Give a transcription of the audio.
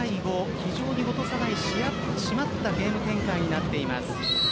非常に落とさない締まったゲーム展開になっています。